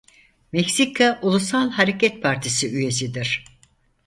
Meksika Ulusal Hareket Partisi üyesidir.